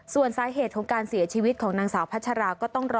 ส่วนสาเหตุของการเสียชีวิตของนางสาวพัชราก็ต้องรอ